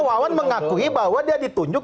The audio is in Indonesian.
wawan mengakui bahwa dia ditunjuk